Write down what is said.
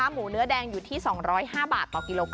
หมูเนื้อแดงอยู่ที่๒๐๕บาท